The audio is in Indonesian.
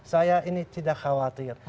saya ini tidak khawatir